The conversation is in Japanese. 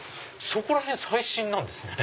そこらへん最新なんですね。